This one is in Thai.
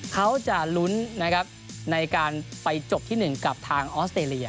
เขาจะลุ้นในการไปจบที่หนึ่งกับทางออสเตรเลีย